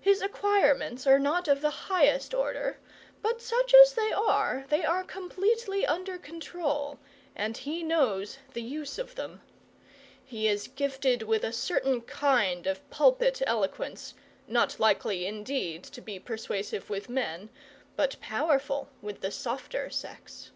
His acquirements are not of the highest order, but such as they are they are completely under control, and he knows the use of them. He is gifted with a certain kind of pulpit eloquence, not likely, indeed, to be persuasive with men, but powerful with the softer sex.